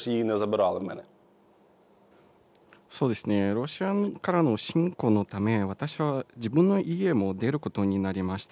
ロシアからの侵攻のため、私は自分の家も出ることになりました。